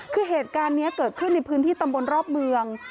คือเหตุการณ์นี้เกิดขึ้นในพื้นที่ตำบลรอบเมือง